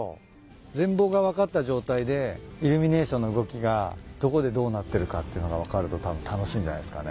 全貌が分かった状態でイルミネーションの動きがどこでどうなってるかっていうのが分かるとたぶん楽しいんじゃないっすかね。